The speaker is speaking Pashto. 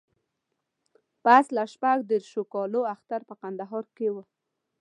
پسله شپږ دیرشو کالو اختر په کندهار کې و.